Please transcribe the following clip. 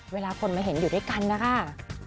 เวลาคนมาเห็นอยู่ด้วยกันนะคะ